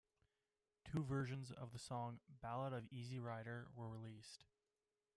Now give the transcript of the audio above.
Two versions of the song "Ballad of Easy Rider" were released.